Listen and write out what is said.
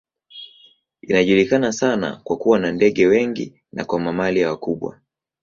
Inajulikana sana kwa kuwa na ndege wengi na kwa mamalia wakubwa.